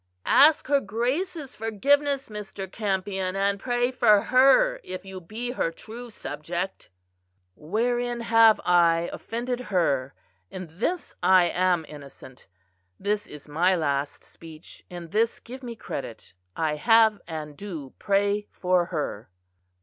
"Ask her Grace's forgiveness, Mr. Campion, and pray for her, if you be her true subject." "Wherein have I offended her? In this I am innocent. This is my last speech; in this give me credit I have and do pray for her."